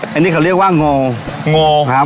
อันนี้เขาเรียกว่าโงครับ